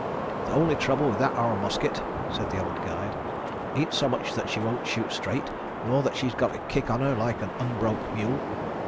"Th' only trouble with that ar musket," said the old guide, "ain't so much that she won't shoot straight, nor that she's got a kick onto her like an unbroke mule.